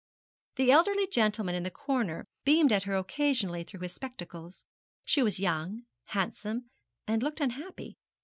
The elderly gentleman in the corner beamed at her occasionally through his spectacles. She was young, handsome, and looked unhappy.